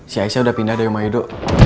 si aisyah udah pindah dari mayudo